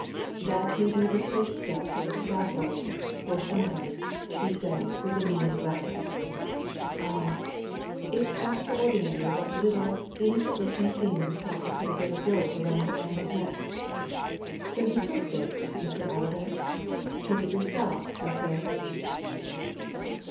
"That may be the first step to the scaffold for somebody," he said, with a meaning glance. "Ah it's extraordinary what little, innocent looking things help to put a bit of rope round a man's neck! So you took this, Mr. Allerdyke? took it yourself, you say?"